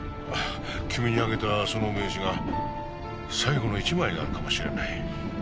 君にあげたその名刺が最後の１枚になるかもしれない。